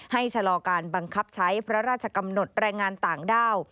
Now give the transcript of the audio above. ชะลอการบังคับใช้พระราชกำหนดแรงงานต่างด้าว